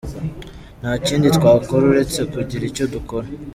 Nta kindi twakora uretse kugira icyo dukora!